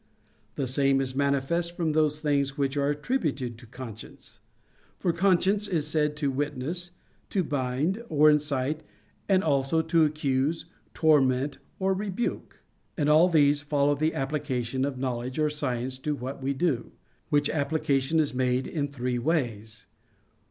The same is manifest from those things which are attributed to conscience. For conscience is said to witness, to bind, or incite, and also to accuse, torment, or rebuke. And all these follow the application of knowledge or science to what we do: which application is made in three ways.